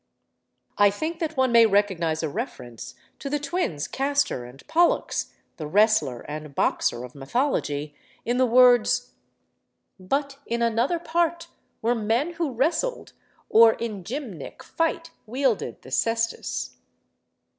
I think that one may recognise a reference to the twins Castor and Pollux (the wrestler and boxer of mythology) in the words— But in another part Were men who wrestled, or in gymnic fight Wielded the cestus.